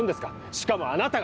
しかも、あなたが！